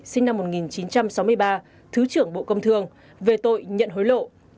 sinh năm một nghìn chín trăm sáu mươi ba thứ trưởng bộ công thương về tội nhận hối lộ